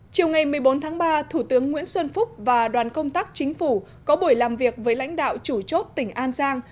chiều ngày một mươi bốn tháng ba thủ tướng nguyễn xuân phúc và đoàn công tác chính phủ có buổi làm việc với lãnh đạo chủ chốt tỉnh an giang